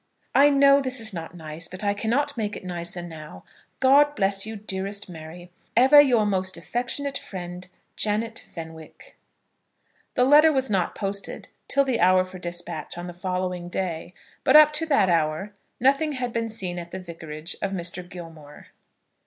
I know this is not nice, but I cannot make it nicer now. God bless you, dearest Mary. Ever your most affectionate friend, JANET FENWICK. The letter was not posted till the hour for despatch on the following day; but, up to that hour, nothing had been seen at the Vicarage of Mr. Gilmore.